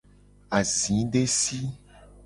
Azidesi.